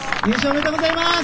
おめでとうございます。